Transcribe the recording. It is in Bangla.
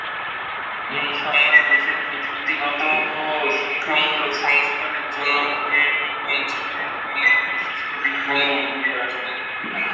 এই সময়ে দেশের প্রযুক্তিগত ও শিক্ষামূলক সংস্কারের জন্য এই অঞ্চলের অনেক বিশিষ্ট বিজ্ঞানী এগিয়ে আসেন।